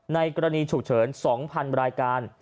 ในกรณีฉุกเฉิน๒๐๐๐รายการ